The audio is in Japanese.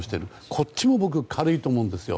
こっちも僕軽いと思うんですよ。